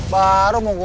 baru mau gue